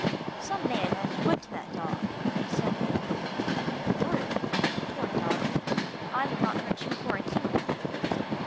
"Some man has whipped that dog," he said angrily. "The brute! Poor doggie; I would not hurt you for a kingdom."